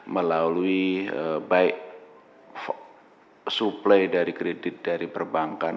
melalui baik suplai dari kredit dari perbankan